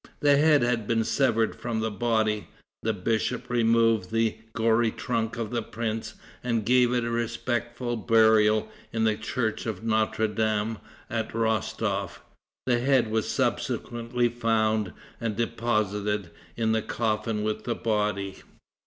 The head had been severed from the body. The bishop removed the gory trunk of the prince and gave it respectful burial in the church of Notre Dame at Rostof. The head was subsequently found and deposited in the coffin with the body.